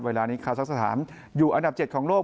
เวลานี้คาซักสถานอยู่อันดับ๗ของโลก